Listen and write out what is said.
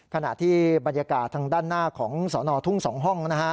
ขณะที่บรรยากาศทางด้านหน้าของสนทุ่ง๒ห้อง